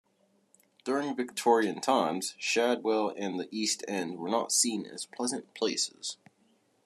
During Victorian times, Shadwell and the East End were not seen as pleasant places.